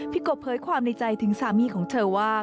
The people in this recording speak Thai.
กบเผยความในใจถึงสามีของเธอว่า